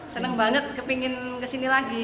seneng banget kepingin ke sini lagi